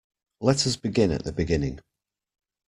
Let us begin at the beginning